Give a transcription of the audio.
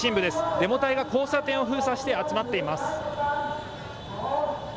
デモ隊が交差点を封鎖して集まっています。